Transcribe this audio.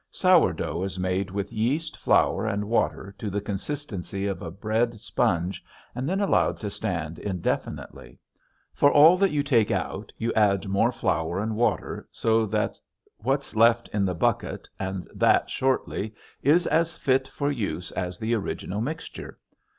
Sour dough is made with yeast, flour, and water to the consistency of a bread sponge and then allowed to stand indefinitely. For all that you take out you add more flour and water to what's left in the bucket and that shortly is as fit for use as the original mixture.